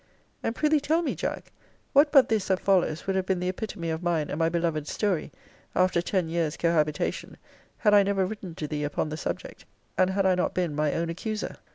And pr'ythee tell me, Jack, what but this that follows would have been the epitome of mine and my beloved's story, after ten years' cohabitation, had I never written to thee upon the subject, and had I not been my own accuser?